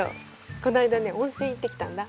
この間ね温泉行ってきたんだ。